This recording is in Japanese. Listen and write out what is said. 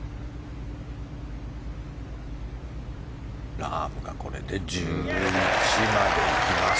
ラームでこれで１１まで行きます。